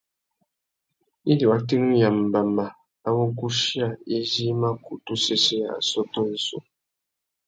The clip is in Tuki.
Indi wa tirimiya mbama râ wuguchiya izí i mà kutu sésséya assôtô yissú.